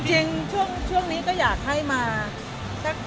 จริงช่วงนี้ก็อยากให้มา